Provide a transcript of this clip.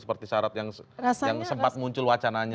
seperti syarat yang sempat muncul wacananya